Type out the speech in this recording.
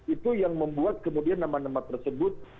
itu yang membuat kemudian nama nama tersebut